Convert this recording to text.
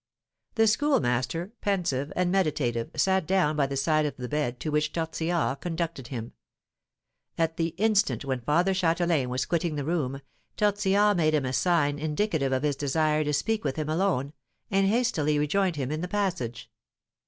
The Schoolmaster, pensive and meditative, sat down by the side of the bed to which Tortillard conducted him. At the instant when Father Châtelain was quitting the room, Tortillard made him a sign indicative of his desire to speak with him alone, and hastily rejoined him in the passage.